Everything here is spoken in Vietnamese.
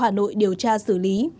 hà nội điều tra xử lý